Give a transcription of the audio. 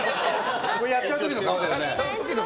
やっちゃう時の顔だよね。